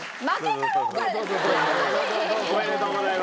おめでとうございます。